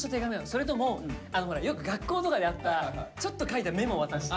それともほらよく学校とかであったちょっと書いたメモ渡して。